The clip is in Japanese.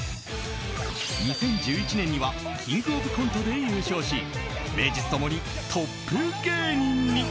２０１１年には「キングオブコント」で優勝し名実共にトップ芸人に。